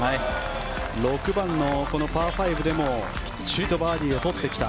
６番のパー５でもきっちりとバーディーをとってきた。